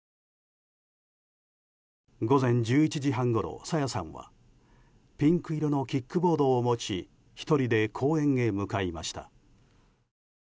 午前１１時半ごろ、朝芽さんはピンク色のキックボードを持ち１人で公園へ向かいました。